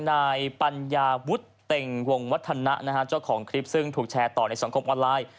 นายปัญญาวุฒิเต็งวงวัฒนะนะฮะเจ้าของคลิปซึ่งถูกแชร์ต่อในสังคมออนไลน์